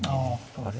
あれ？